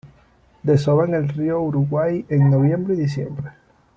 Desova en el río Uruguay en noviembre y diciembre.